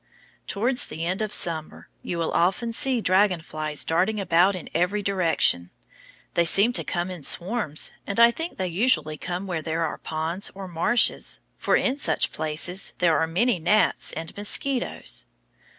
Towards the end of summer you will often see dragon flies darting about in every direction. They seem to come in swarms and I think they usually come where there are ponds or marshes, for in such places there are many gnats and mosquitoes.